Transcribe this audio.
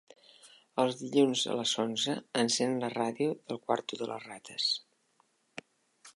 Els dilluns a les onze encèn la ràdio del quarto de les rates.